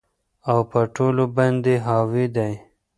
او په ټولو باندي حاوي دى